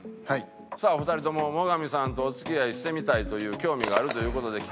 さあお二人とも最上さんとお付き合いしてみたいという興味があるという事で来た。